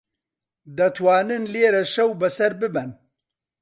دەتوانن لێرە شەو بەسەر ببەن.